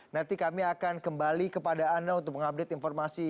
nanti kami akan kembali kepada anda untuk mengupdate informasi